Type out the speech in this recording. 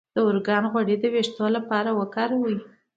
د ارګان غوړي د ویښتو لپاره وکاروئ